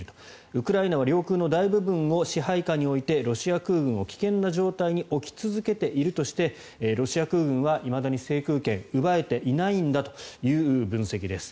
ウクライナは領空の大部分を支配下に置いてロシア空軍を危険な状態に置き続けているとしてロシア空軍はいまだに制空権を奪えていないんだという分析です。